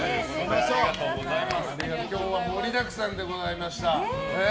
今日は盛りだくさんでございました。